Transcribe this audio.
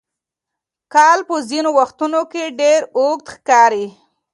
کال په ځینو وختونو کې ډېر اوږد ښکاري.